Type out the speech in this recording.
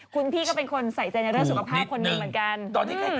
คุณพี่ก็เป็นคนใส่ใจในเรื่องสุขภาพคนหนึ่งเหมือนกัน